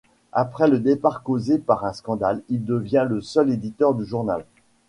Après le départ causé par un scandale, il devient le seul éditeur du journal.